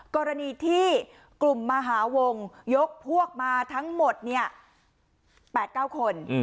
กรณีที่กลุ่มมหาวงยกพวกมาทั้งหมด๘๙คน